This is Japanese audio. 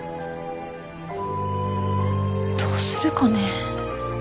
どうするかね。